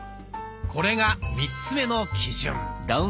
これが３つ目の基準。